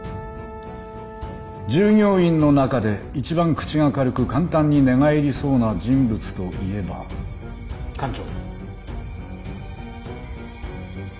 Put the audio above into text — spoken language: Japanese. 従業員の中で一番口が軽く簡単に寝返りそうな人物といえば艦長。